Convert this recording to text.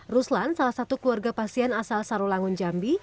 ruslan salah satu keluarga pasien asal sarulangun jambi